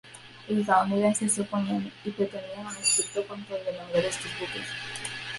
Los estadounidenses se oponían y pretendían un estricto control de número de estos buques.